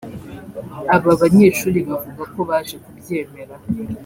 Aba banyeshuli bavuga ko baje kubyemera